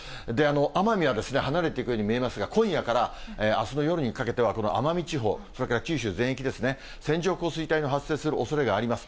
奄美は離れていくように見えますが、今夜からあすの夜にかけては、この奄美地方、それから九州全域ですね、線状降水帯の発生するおそれがあります。